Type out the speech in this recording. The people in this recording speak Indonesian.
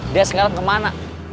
dia sekarang kemana